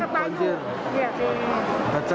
sekarang sudah bersih